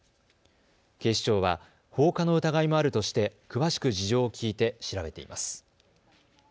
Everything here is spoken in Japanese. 警視庁は放火の疑いもあるとして詳しく事情を聞いて調べています。